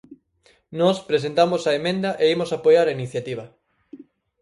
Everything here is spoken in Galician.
Nós presentamos a emenda e imos apoiar a iniciativa.